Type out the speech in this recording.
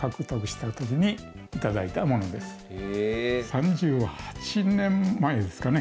３８年前ですかね。